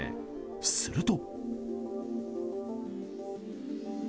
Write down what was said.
すると。